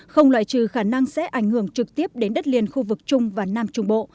không loại trừ khả năng sẽ ảnh hưởng trực tiếp đến đất liền khu vực trung và nam trung bộ